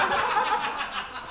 ハハハ